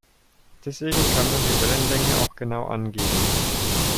Deswegen kann man die Wellenlänge auch genau angeben.